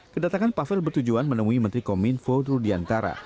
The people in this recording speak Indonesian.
kedatangan pavel bertujuan menemui menteri kominfo rudiantara